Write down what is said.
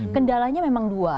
kendalanya memang dua